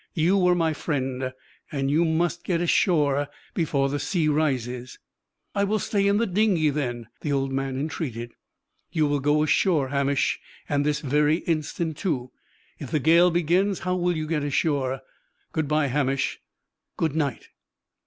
You were my friend, and you must get ashore before the sea rises." "I will stay in the dingy, then?" the old man entreated. "You will go ashore, Hamish; and this very instant, too. If the gale begins, how will you get ashore? Good by, Hamish _good night!